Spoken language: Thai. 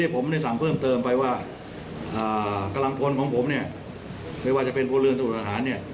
ผมเนี่ยไม่ว่าจะเป็นเพราะเรื่องสมุทรฐาน